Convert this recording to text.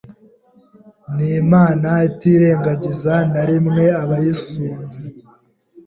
Ni Imana itirengagiza na rimwe abayisunze